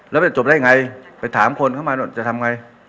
แล้วมันจบได้อย่างไรไปถามคนเข้ามาจะทำไง